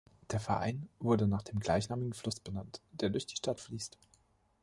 Der Verein wurde nach dem gleichnamigen Fluss benannt, der durch die Stadt fließt.